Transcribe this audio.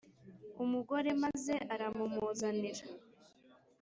Umugore maze aramumuzanira